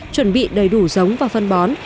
chuẩn bị đầy đủ giống và phân bón